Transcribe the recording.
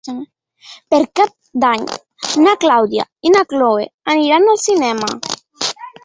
Per Cap d'Any na Clàudia i na Cloè aniran al cinema.